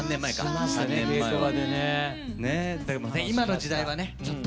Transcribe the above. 今の時代はね